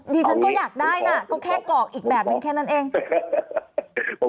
ดิฉันก็อยากได้นะก็แค่กรอกอีกแบบนึงแค่นั้นเอง